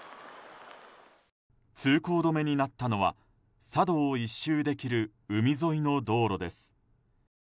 通行止めになったのは佐渡を１周できる海沿いの道路です。